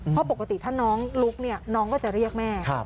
เพราะปกติถ้าน้องลุกเนี่ยน้องก็จะเรียกแม่